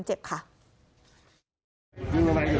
นี่เป็นไม่อยู่ไหน